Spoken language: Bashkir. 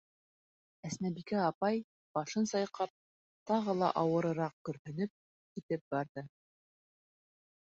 Әсмәбикә апай, башын сайҡап, тағы ла ауырыраҡ көрһөнөп, китеп барҙы.